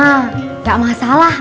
klo diama gak masalah